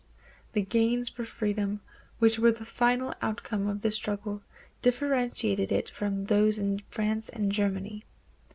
The gains for freedom, which were the final outcome of this struggle, differentiate it from those in France and Germany.